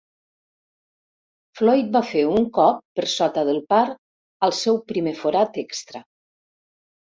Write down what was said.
Floyd va fer un cop per sota del par al seu primer forat extra.